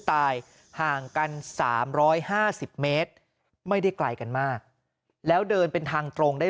ตายห่างกัน๓๕๐เมตรไม่ได้ไกลกันมากแล้วเดินเป็นทางตรงได้